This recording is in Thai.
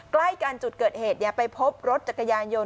ใกล้กันจุดเกิดเหตุไปพบรถจักรยานยนต